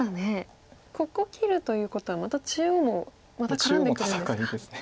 ここ切るということは中央もまた絡んでくるんですか。